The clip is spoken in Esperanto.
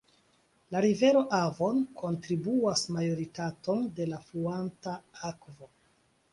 La rivero Avon kontribuas majoritaton de la fluanta akvo.